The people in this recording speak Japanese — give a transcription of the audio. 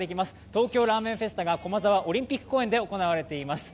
東京ラーメンフェスタが駒沢オリンピック公園で行われています。